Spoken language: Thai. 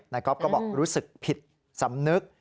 ก๊อฟก็บอกรู้สึกผิดสำนึก